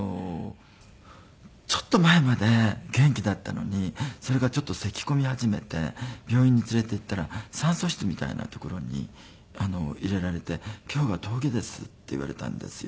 ちょっと前まで元気だったのにそれがちょっとせき込み始めて病院に連れて行ったら酸素室みたいな所に入れられて「今日が峠です」って言われたんですよ。